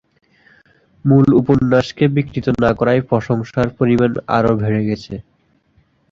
মূল উপন্যাসকে বিকৃত না করায় প্রশংসার পরিমাণ আরও বেড়ে গেছে।